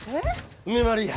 梅丸や！